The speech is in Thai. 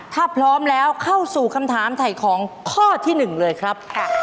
ถ้าพร้อมแล้วเข้าสู่คำถามถ่ายของข้อที่๑เลยครับ